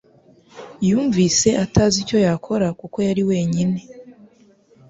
Yumvise atazi icyo yakora kuko yari wenyine .